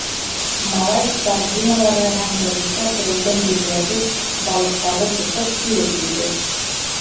Малай, сардиналарҙы һәм гәзиткә төрөлгән емләгес балыҡтарҙы тотоп, кире килде.